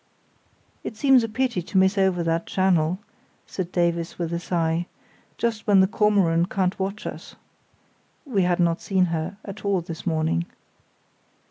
"It seems a pity to miss over that channel," said Davies with a sigh; "just when the Kormoran can't watch us." (We had not seen her at all this morning.)